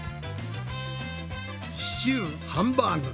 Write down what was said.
シチューハンバーグ。